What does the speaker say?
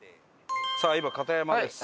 さあ今片山です。